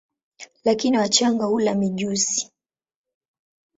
Lakini wachanga hula mijusi.